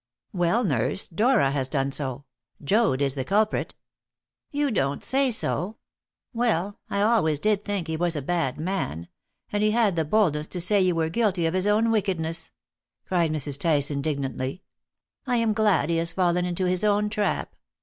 "Well, nurse, Dora has done so. Joad is the culprit." "You don't say so! Well, I always did think he was a bad man. And he had the boldness to say you were guilty of his own wickedness!" cried Mrs. Tice indignantly. "I am glad he has fallen into his own trap.